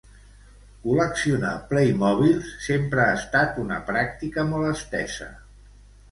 Coleccionar Playmobils sempre ha estat una pràctica molt estesa.